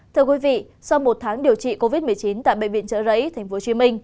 thưa quý vị sau một tháng điều trị covid một mươi chín tại bệnh viện trợ rẫy tp hcm